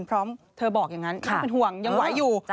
พร้อมเธอบอกอย่างนั้นน่าเป็นห่วงยังไหวอยู่